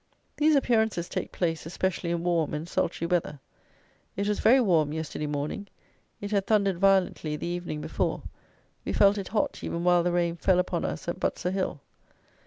These appearances take place, especially in warm and sultry weather. It was very warm yesterday morning: it had thundered violently the evening before: we felt it hot even while the rain fell upon us at Butser hill.